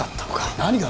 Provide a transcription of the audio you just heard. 何が？